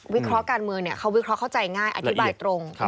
เคราะห์การเมืองเขาวิเคราะห์เข้าใจง่ายอธิบายตรง